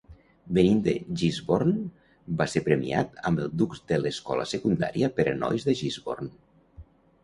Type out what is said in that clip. Venint de Gisborne, va ser premiat amb el Dux de l'Escola Secundària per a nois de Gisborne.